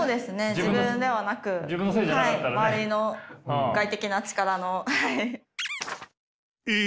自分ではなく周りの外的な力の。え！？